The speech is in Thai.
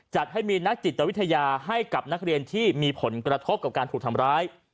จัดให้มีนักจิตวิทยาให้กับนักเรียนที่มีผลกระทบกับการถูกทำร้าย